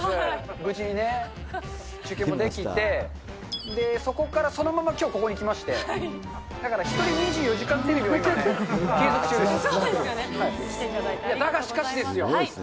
無事にね、中継もできて、で、そこからそのままきょうここに来まして、だから１人２４時間テレそうですよね。